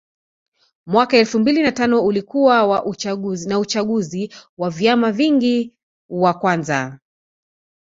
Mwaka elfu mbili na tano ulikuwa na uchaguzi wa vyama vingi wa kwanza